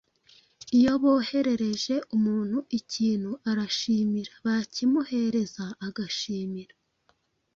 Iyo boherereje umuntu ikintu arashimira, bakimuhereza agashimira.